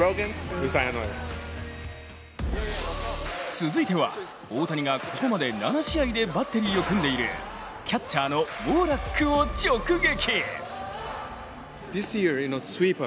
続いては、大谷がここまで７試合でバッテリーを組んでいるキャッチャーのウォーラックを直撃。